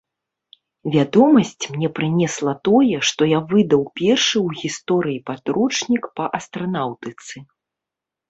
Вядомасць мне прынесла тое, што я выдаў першы ў гісторыі падручнік па астранаўтыцы.